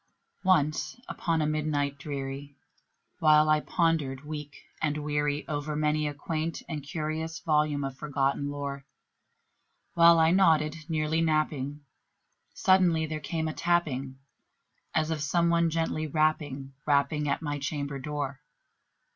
Once upon a midnight dreary, while I pondered, weak and weary, Over many a quaint and curious volume of forgotten lore While I nodded, nearly napping, suddenly there came a tapping, As of some one gently rapping rapping at my chamber door.